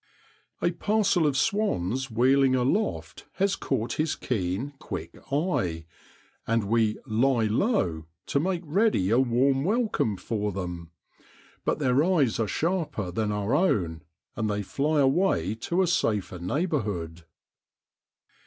A parcel of swans wheeling aloft has caught his keen, quick eye, and we ' lie low ' to make ready a warm welcome for them. But their eyes are sharper than our own, and they fly away to a safer neighbourhood.